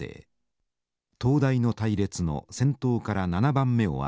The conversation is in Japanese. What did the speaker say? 東大の隊列の先頭から７番目を歩きました。